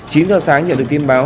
chín h sáng nhận được tin báo